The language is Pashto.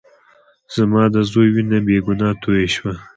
زما د زوى وينه بې ګناه تويې شوې.